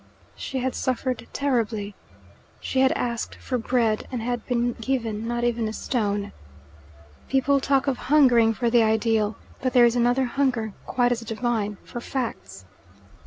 She had suffered terribly. She had asked for bread, and had been given not even a stone. People talk of hungering for the ideal, but there is another hunger, quite as divine, for facts.